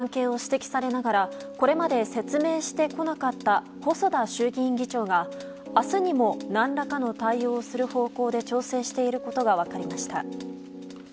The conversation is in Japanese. いわゆる統一教会との関係を指摘されながらこれまで説明してこなかった細田衆議院議長が明日にも何らかの対応をする方向で調整していることが分かりました。